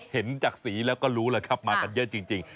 เห็นจากสีแล้วก็รู้แล้วครับมากันเยอะจริง